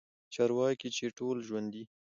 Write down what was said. چارواکي چې ټول ژوندي